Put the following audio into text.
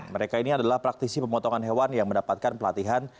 mereka ini adalah praktisi pemotongan hewan yang mendapatkan pelatihan